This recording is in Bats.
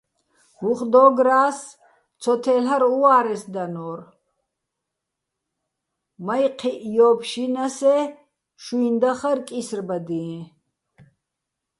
უ̂ხ დო́გრა́ს, ცოთე́ლ'არ უა́რეს დანო́რ, მაჲჴიჸ ჲო́ფშჲინასე́, შუჲნი̆ დახარ კისრბადიეჼ.